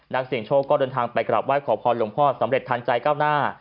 นักเสียงโชคก็เดินทางไปกลับไห้ขอพรหลวงพ่อสำเร็จทันใจก้าวหน้า